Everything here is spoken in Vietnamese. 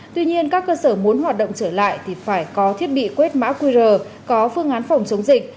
tuy nhiên các cơ sở muốn hoạt động trở lại thì phải có thiết bị quét mã qr có phương án phòng chống dịch